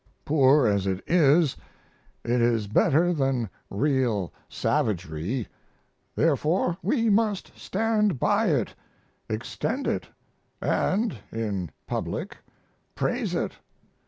Poor as it is, it is better than real savagery, therefore we must stand by it, extend it, & (in public) praise it.